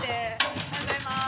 おはようございます。